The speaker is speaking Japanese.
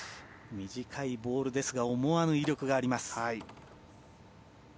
短いボールですが思わぬ威力があります。